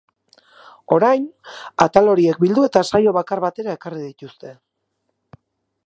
Orain, atal horiek bildu eta saio bakar batera ekarri dituzte.